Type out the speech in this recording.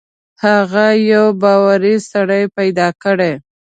هغه یو باوري سړی پیدا کړي.